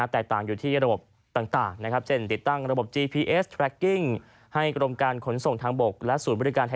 แต่ต่างอยู่ที่ระบบต่างนะครับ